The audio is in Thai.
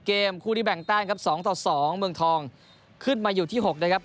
เกมคู่ที่แบ่งแต้มครับ๒ต่อ๒เมืองทองขึ้นมาอยู่ที่๖นะครับ